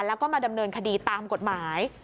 แล้วก็มาดำเนินคดีตามกฎหมาย